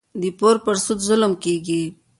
د پور پر سود ظلم کېږي.